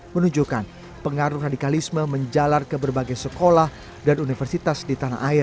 menunjukkan pengaruh radikalisme menjalar ke berbagai sekolah dan universitas di tanah air